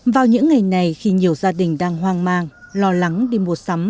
vào những ngày này khi nhiều gia đình đang hoang mang lo lắng đi mua sắm